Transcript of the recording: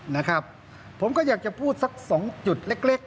นะครับผมก็อยากจะพูดสัก๒จุดเล็กก่อน